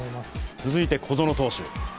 続いて小園投手。